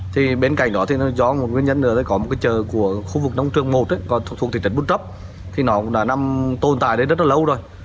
thì bên cạnh đó thì do một nguyên nhân nữa thì có một cái chợ của khu vực nông trường một còn thuộc thị trấn bút trấp thì nó cũng đã nằm tồn tại đây rất là lâu rồi